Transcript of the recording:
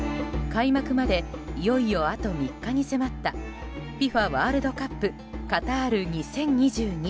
開幕までいよいよ、あと３日に迫ったＦＩＦＡワールドカップカタール２０２２。